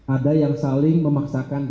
ada yang saling memaksakan